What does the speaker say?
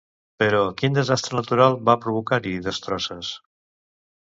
Però, quin desastre natural va provocar-hi destrosses?